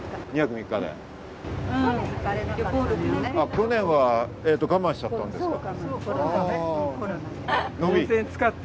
去年は我慢しちゃったんですか？